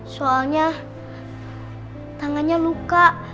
soalnya tangannya luka